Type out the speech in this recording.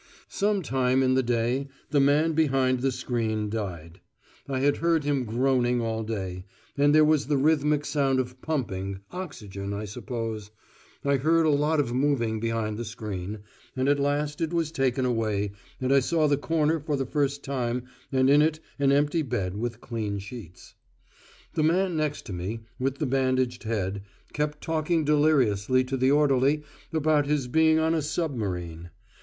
Some time in the day the man behind the screen died. I had heard him groaning all day; and there was the rhythmic sound of pumping oxygen, I suppose.... I heard a lot of moving behind the screen, and at last it was taken away and I saw the corner for the first time and in it an empty bed with clean sheets. The man next to me, with the bandaged head, kept talking deliriously to the orderly about his being on a submarine.